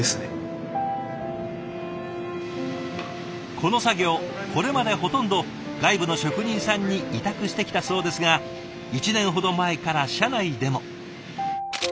この作業これまでほとんど外部の職人さんに委託してきたそうですが１年ほど前から社内でも。